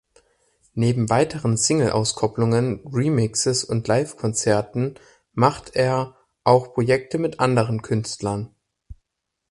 Neben weiteren Single-Auskopplungen, Remixes und Live-Konzerten macht er auch Projekte mit anderen Künstlern.